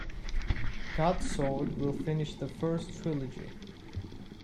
God-Sword will finish the first trilogy.